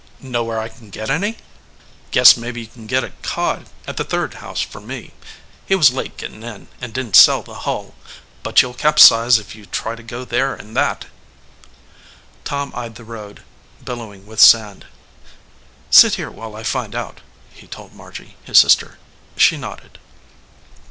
"Know where I can get any?" "Guess mebbe you can get a cod at the third house from me. He was late gettin in, and didn t sell the hull. But you ll capsize if you try to go there in that." Tom ey^d the road billowing with sand. "Sit here while I find out," he told Margy, his sister. She nodded.